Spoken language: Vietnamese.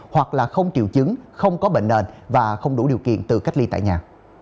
hoặc là không triệu chứng không có bệnh nền và không đủ điều kiện tự cách ly tại nhà